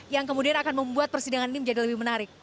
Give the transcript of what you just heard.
yang kemudian akan membuat persidangan ini menjadi lebih menarik